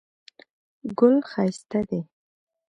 ګل ښایسته دی